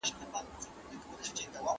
دورکهايم په خپلو نظريو کي دقيق کار کاوه.